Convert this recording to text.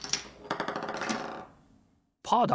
パーだ！